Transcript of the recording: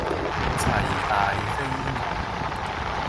齊大非偶